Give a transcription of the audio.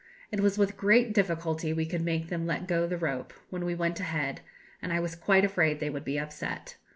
It was with great difficulty we could make them let go the rope, when we went ahead, and I was quite afraid they would be upset.